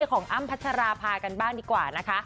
ของอ้ำพัชราภากันบ้างดีกว่านะคะ